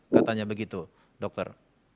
katanya begitu dokter